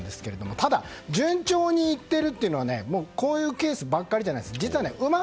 ただ、順調にいってるというのはこういうケースばかりじゃないんです。